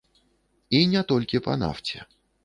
І не толькі па нафце.